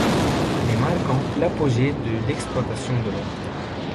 Les marquent l'apogée de l'exploitation de l'or.